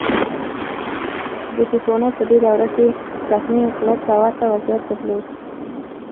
بوتسوانا په دې دوره کې پرتمین انقلاب ته ورته وضعیت درلود.